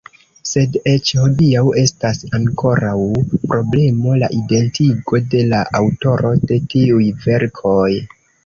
Sed eĉ hodiaŭ estas ankoraŭ problemo la identigo de la aŭtoro de tiuj verkoj.